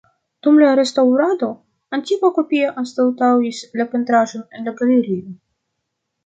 Dum la restaŭrado, antikva kopio anstataŭis la pentraĵon en la galerio.